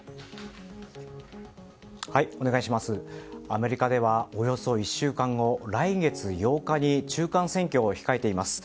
アメリカでは、およそ１週間後来月８日に中間選挙を控えています。